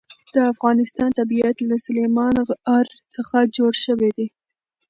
د افغانستان طبیعت له سلیمان غر څخه جوړ شوی دی.